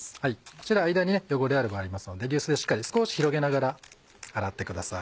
こちら間に汚れある場合ありますので流水をしっかり少し広げながら洗ってください。